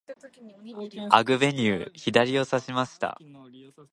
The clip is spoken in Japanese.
アグベニュー、左をさしました。